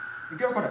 これ。